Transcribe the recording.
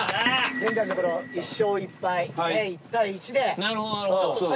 現在のところ１勝１敗１対１で。